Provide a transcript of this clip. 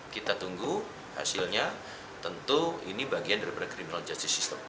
kita tunggu hasilnya tentu ini bagian daripada criminal justice system